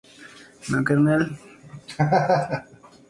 Su nombre es en honor al geólogo William Lee Stokes.